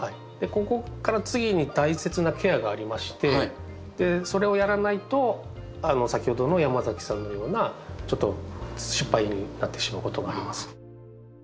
ここから次に大切なケアがありましてそれをやらないと先ほどの山崎さんのようなちょっと失敗になってしまうことがあります。